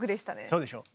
そうでしょう。